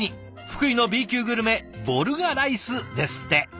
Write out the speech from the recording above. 福井のＢ級グルメボルガライスですって。